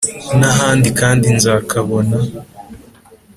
nahandi kandi nzakabona”